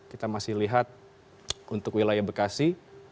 kita masih lihat untuk wilayah bekasi